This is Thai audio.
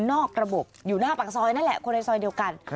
นอกระบบอยู่หน้าปากซอยนั่นแหละคนในซอยเดียวกัน